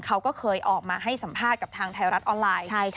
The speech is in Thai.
เขาก็เคยออกมาให้สัมภาษณ์กับทางไทยรัฐออนไลน์